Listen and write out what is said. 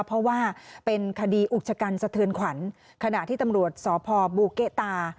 เพราะว่าเป็นคดีอุกชะกันสะเทือนขวัญขณะที่ตำรวจสพบูเกะตา